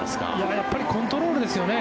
やっぱりコントロールですよね。